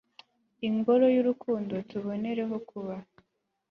ingoro y'urukundo tubonereho kuba